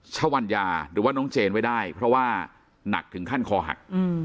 ชวัญญาหรือว่าน้องเจนไว้ได้เพราะว่าหนักถึงขั้นคอหัก